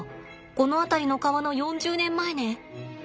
この辺りの川の４０年前ね。